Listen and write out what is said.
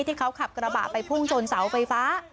ที่เขาขับกระบะไปพุ่งชนเสาไฟฟ้า